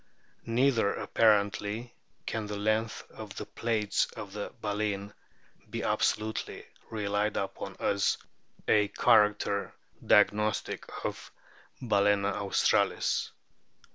J Neither apparently can the length of the plates of baleen be absolutely relied upon as a character diagnostic of Balcena australis.